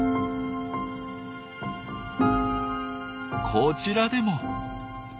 こちらでも。